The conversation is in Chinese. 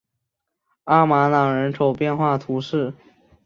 阿马朗人口变化图示